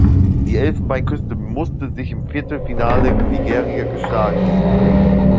Die Elfenbeinküste musste sich im Viertelfinale Nigeria geschlagen geben.